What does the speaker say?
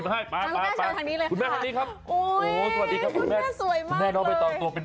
ไปหน้าไปข้างหน้าดีกว่า